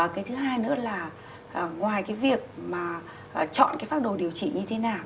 cái thứ hai nữa là ngoài cái việc mà chọn cái pháp đồ điều trị như thế nào